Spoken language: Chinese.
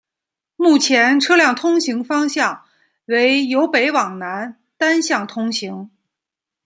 目前车辆通行方向为由北往南单向通行。